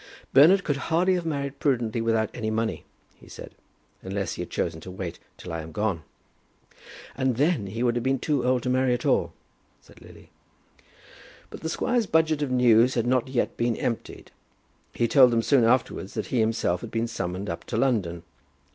"Bernard could hardly have married prudently without any money," he said, "unless he had chosen to wait till I am gone." [Illustration: They pronounced her to be very much like a Lady.] "And then he would have been too old to marry at all," said Lily. But the squire's budget of news had not yet been emptied. He told them soon afterwards that he himself had been summoned up to London.